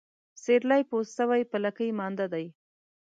سيرلى پوست سوى ، په لکۍ مانده دى.